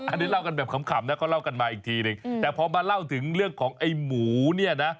อันนี้เล่ากันแบบขำนะเขาเล่ากันมาอีกทีนึงแต่พอมาเล่าถึงเรื่องของไอ้หมูเนี่ยนะ